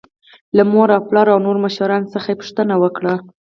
له مور او پلار او نورو مشرانو څخه پوښتنه وکړئ.